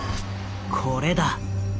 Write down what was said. これだ。